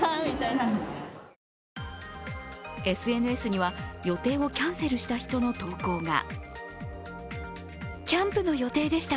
ＳＮＳには、予定をキャンセルした人の投稿が。